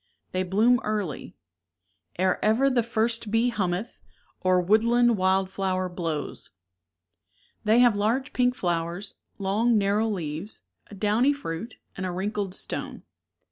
They bloom early, Ere ever the first bee hummeth, Or woodland wild flower blows. They have large pink flowers, long narrow leaves, a downy V fruit, and a wrinkled stone.